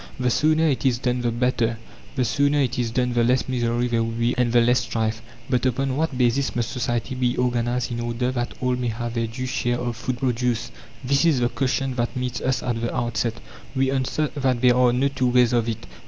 The sooner it is done the better; the sooner it is done the less misery there will be and the less strife. But upon what basis must society be organized in order that all may have their due share of food produce? This is the question that meets us at the outset. We answer that there are no two ways of it.